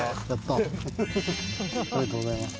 ありがとうございます。